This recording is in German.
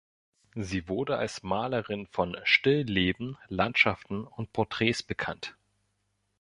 Sie wurde als Malerin von Stillleben, Landschaften und Porträts bekannt.